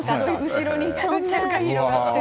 後ろに宇宙が広がってる。